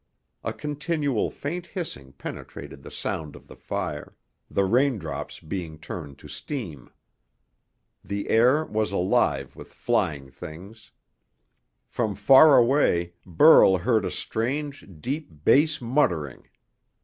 A continual faint hissing penetrated the sound of the fire the raindrops being turned to steam. The air was alive with flying things. From far away, Burl heard a strange, deep bass muttering.